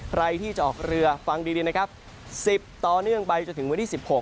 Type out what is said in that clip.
ใครที่จะออกเรือฟังดีนะครับ๑๐ต่อเนื่องไปจนถึงวันที่๑๖